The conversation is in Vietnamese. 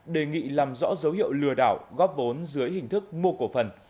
đề nghị làm rõ dấu hiệu lừa đảo góp vốn dưới hình thức mua cổ phần